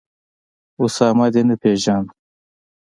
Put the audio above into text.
اسامه دي نه پېژاند